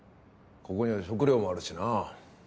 ここには食料もあるしなぁ。